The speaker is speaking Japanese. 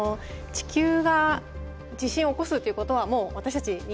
地球が地震を起こすということはもう私たち